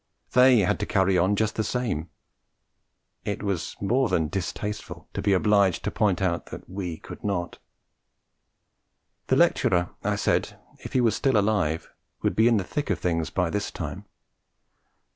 They had to carry on just the same; it was more than distasteful to be obliged to point out that we could not. The lecturer, I said, if he was still alive, would be in the thick of things by this time.